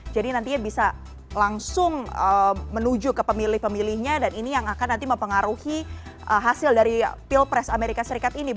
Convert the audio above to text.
jadi nantinya bisa langsung menuju ke pemilih pemilihnya dan ini yang akan nanti mempengaruhi hasil dari pilpres amerika serikat ini